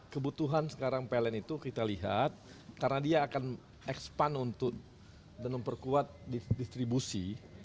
kebutuhan sekarang pln itu kita lihat karena dia akan ekspan untuk dan memperkuat distribusi